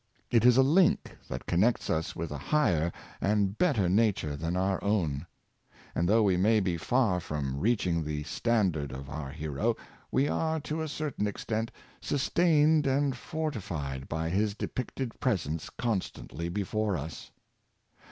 It is a link that connects us with a hio^her and better nature than our own. And thouo^h we may be far from reaching the standard of our hero, we are, to a certain extent, sustained and fortified by his depicted presence constantly before us.